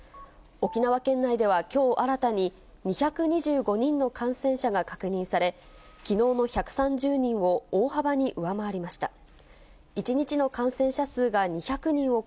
沖縄県内ではきょう新たに２２５人の感染者が確認され、きのうの１３０人を大幅に上回りました。